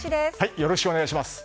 よろしくお願いします。